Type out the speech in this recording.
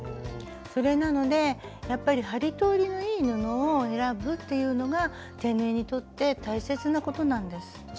それなのでやっぱり針通りのいい布を選ぶっていうのが手縫いにとって大切なことなんです。